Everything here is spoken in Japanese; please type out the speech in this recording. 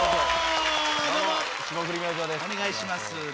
お願いしますね。